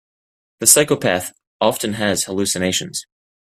The psychopath often has hallucinations.